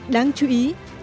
đáng chú ý